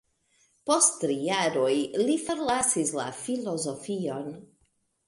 Post tri jaroj li forlasis la filozofion.